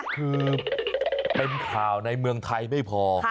คือเป็นข่าวในเมืองไทยไม่พอ